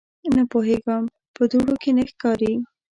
_نه پوهېږم، په دوړو کې نه ښکاري.